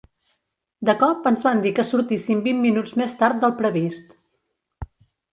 De cop ens van dir que sortíssim vint minuts més tard del previst.